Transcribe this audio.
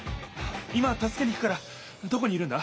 今たすけに行くからどこにいるんだ？